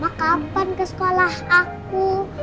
nah kapan ke sekolah aku